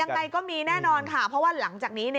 ยังไงก็มีแน่นอนค่ะเพราะว่าหลังจากนี้